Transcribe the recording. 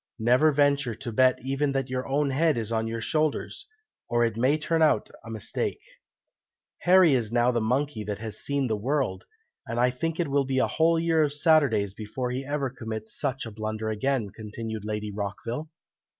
Never venture to bet even that your own head is on your shoulders, or it may turn out a mistake." "Harry is now the monkey that has seen the world, and I think it will be a whole year of Saturdays before he ever commits such a blunder again," continued Lady Rockville.